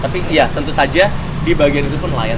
tapi iya tentu saja di bagian itu pun nelayan